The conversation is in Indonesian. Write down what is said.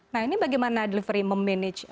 nah ini bagaimana delivery memanage